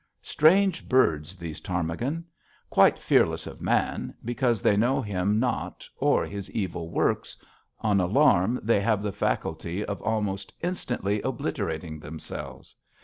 Strange birds, those ptarmigan. Quite fearless of man, because they know him not or his evil works, on alarm they have the faculty of almost instantly obliterating themselves.